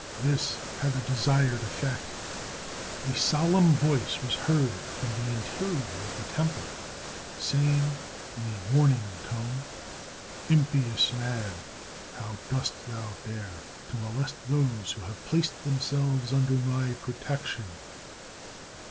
This had the desired effect. A solemn voice was heard from the interior of the temple, saying, in a warning tone: — "Impious man! how dost thou dare to molest those who have placed themselves under my protection?"